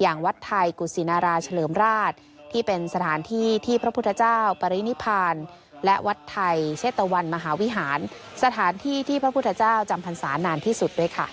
อย่างวัดไทยกุศินาราเฉลิมราชที่เป็นสถานที่ที่พระพุทธเจ้าปรินิพานและวัดไทยเชษตะวันมหาวิหารสถานที่ที่พระพุทธเจ้าจำพรรษานานที่สุดด้วยค่ะ